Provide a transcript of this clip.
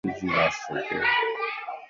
ھني گڏجي ناشتو ڪيو